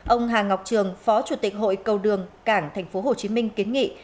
ông hà ngọc trường phó chủ tịch hội cầu đường cảng tp hcm kiến nghị